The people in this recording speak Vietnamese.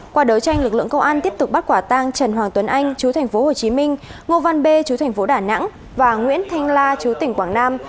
qua đấu tranh lực lượng công an tiếp tục bắt quả tang trần hoàng tuấn anh trú tp hồ chí minh ngô văn bê trú tp đà nẵng và nguyễn thanh la trú tỉnh quảng nam